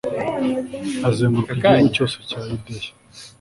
azenguruka igihugu cyose cya yudeya